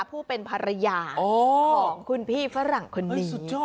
ผู้เป็นภรรยาของคุณพี่ฝรั่งคนนี้สุดยอด